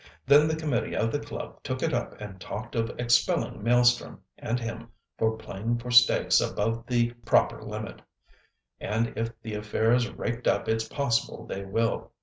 Then the committee of the club took it up and talked of expelling Maelstrom and him for playing for stakes above the proper limit, and if the affair's raked up it's possible they will.